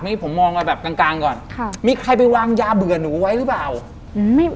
นี่ผมมองกลางก่อนมีใครไปวางยาเบื่อหนูไว้หรือเปล่าค่ะ